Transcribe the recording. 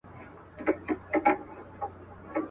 نه یې پل معلومېدی او نه یې نښه.